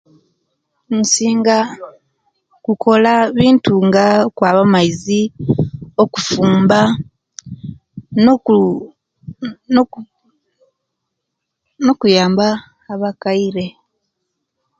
Nsinga kukola bintu nga kwaba maizi, okufumba noku noku nokuyamba abakaire